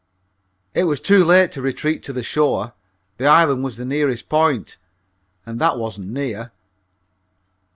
It was too late to retreat to the shore; the island was the nearest point, and that wasn't near.